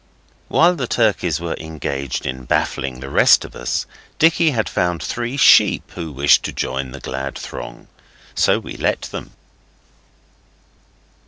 While the turkeys were engaged in baffling the rest of us, Dicky had found three sheep who seemed to wish to join the glad throng, so we let them.